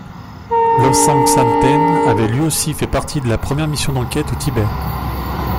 Lobsang Samten avait lui aussi fait partie de la première mission d'enquête au Tibet.